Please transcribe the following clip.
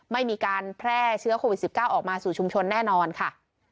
ไม่มีการแพร่เชื้อโควิด๑๙ออกมาสู่ชุมชนแน่นอนค่ะ